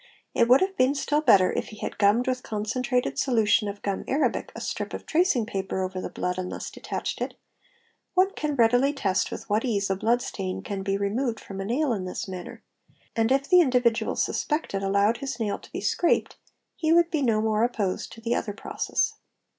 It would have been still better, if he had — _gummed with concentrated solution of gum arabic a strip of tracing paper over the blood and thus, detached it; one can readily test with what ease a blood stain can be removed from a nail in this manner; and if the individual suspected allowed his nail to be scraped he would be no . more opposed to the other process.